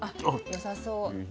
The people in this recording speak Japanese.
あっよさそう。